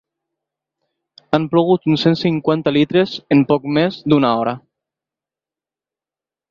Han plogut uns cent cinquanta litres en poc més d'una hora.